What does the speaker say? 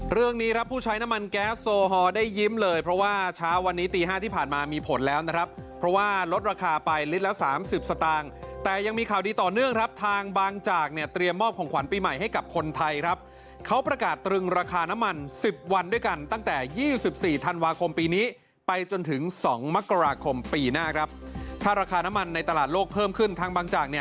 เรื่องนี้ครับผู้ใช้น้ำมันแก๊สโซฮอล์ได้ยิ้มเลยเพราะว่าเช้าวันนี้ตี๕ที่ผ่านมามีผลแล้วนะครับเพราะว่าลดราคาไปลิตรแล้ว๓๐สตางค์แต่ยังมีข่าวดีต่อเนื่องครับทางบางจากเนี่ยเตรียมมอบของขวัญปีใหม่ให้กับคนไทยครับเขาประกาศตรึงราคาน้ำมัน๑๐วันด้วยกันตั้งแต่๒๔ธันวาคมปีนี้ไปจนถึง๒